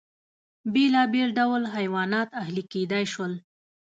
بېلابېل ډول حیوانات اهلي کېدای شول.